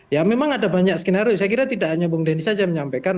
ya memang ada banyak skenario saya kira tidak hanya bung denny saja menyampaikan